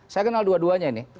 saya kenal dua duanya ini